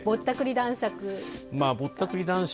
ぼったくり男爵。